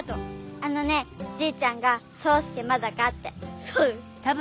あのねじいちゃんがそうすけまだかって。